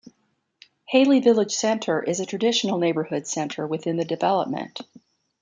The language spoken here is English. Haile Village Center is a traditional neighborhood center within the development.